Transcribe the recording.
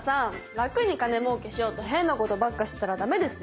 楽に金もうけしようと変なことばっかしてたらダメですよ！